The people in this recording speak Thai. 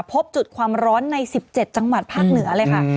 พบจุดความร้อนใน๑๗จังหวัดภาคเหนือเลยค่ะ